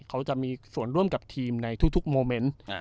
เขาจะมีส่วนร่วมกับทีมในทุกโมเมนต์